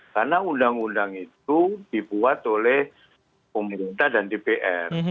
karena undang undang itu dibuat oleh pemerintah dan dpr